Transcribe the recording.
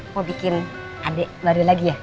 mau bikin adik baru lagi ya